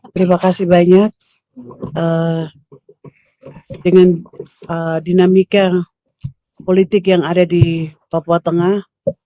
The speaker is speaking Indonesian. terima kasih banyak dengan dinamika politik yang ada di papua tengah